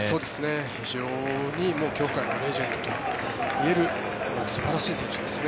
非常に競歩界のレジェンドといえる素晴らしい選手ですね。